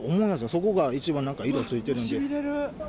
そこがなんか、一番色付いてるんで。